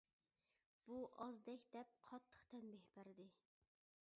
بۇ ئازدەك دەپ قاتتىق تەنبىھ بەردى.